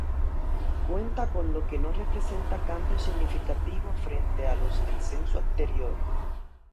Cuenta con lo que no representa cambio significativo frente a los del censo anterior.